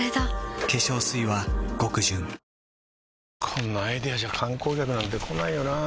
こんなアイデアじゃ観光客なんて来ないよなあ